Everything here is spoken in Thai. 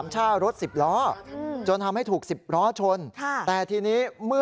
ใช่ครับ